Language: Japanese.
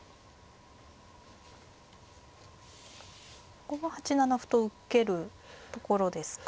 ここは８七歩と受けるところですか。